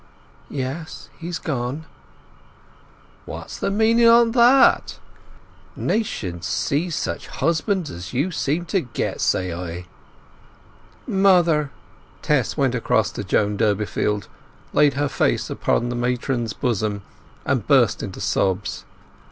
"Yes, he's gone." "What's the meaning o' that? 'Nation seize such husbands as you seem to get, say I!" "Mother!" Tess went across to Joan Durbeyfield, laid her face upon the matron's bosom, and burst into sobs.